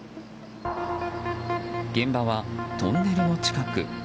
現場はトンネルの近く。